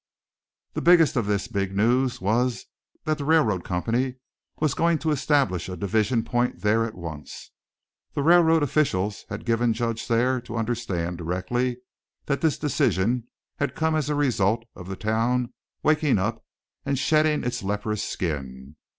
The biggest of this big news was that the railroad company was going to establish a division point there at once. The railroad officials had given Judge Thayer to understand, directly, that this decision had come as a result of the town waking up and shedding its leprous skin.